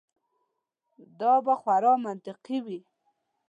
دا به خورا منطقي وي.